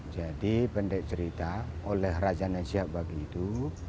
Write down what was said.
jadi pendek cerita oleh raja nasyabaghi itu